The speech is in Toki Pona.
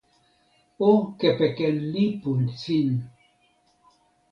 o kepeken lipu sin.